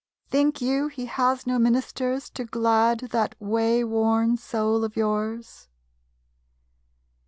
Think you he has no ministers To glad that wayworn soul of yours?